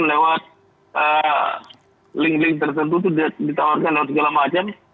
lewat link link tersentuh itu ditawarkan lewat segala macam